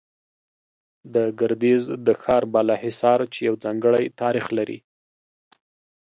د ګردېز د ښار بالا حصار، چې يو ځانگړى تاريخ لري